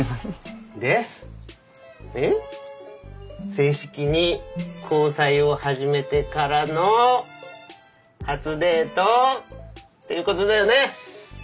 正式に交際を始めてからの初デートっていうことだよね？